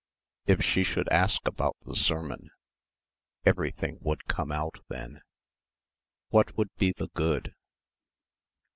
If she should ask about the sermon? Everything would come out then. What would be the good?